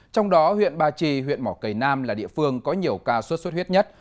trong đó huyện ba trì huyện mỏ cầy nam là địa phương có nhiều ca sốt xuất huyết nhất